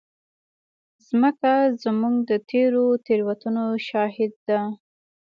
مځکه زموږ د تېرو تېروتنو شاهد ده.